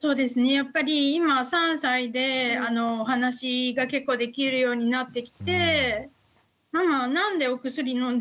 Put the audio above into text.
やっぱり今３歳でお話が結構できるようになってきて「ママは何でお薬飲んでるの？」